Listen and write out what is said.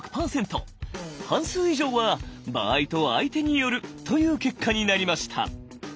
半数以上は「場合と相手による」という結果になりました。